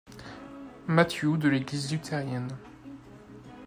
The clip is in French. Matthew de l'église luthérienne.